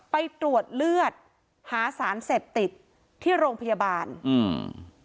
ไปตรวจเลือดหาสารเสพติดที่โรงพยาบาลอืม